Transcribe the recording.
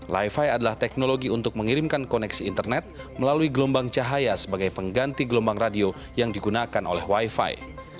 lifi adalah teknologi untuk mengirimkan koneksi internet melalui gelombang cahaya sebagai pengganti gelombang radio yang digunakan oleh wifi